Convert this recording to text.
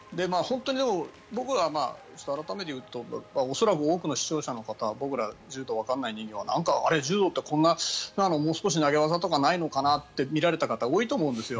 僕は改めて言うと恐らく多くの視聴者の方僕ら柔道がわからない人間は柔道、もう少し投げ技とかってないのかなって見られた方多いと思うんですよ。